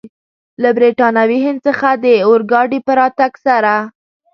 له برټانوي هند څخه د اورګاډي په راتګ سره.